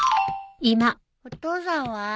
お父さんは？